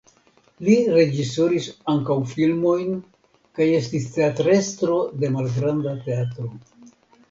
Li reĝisoris ankaŭ filmojn kaj estis teatrestro de malgranda teatro.